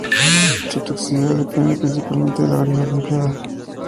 Su toxicidad depende principalmente de la variedad empleada.